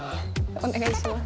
お願いします。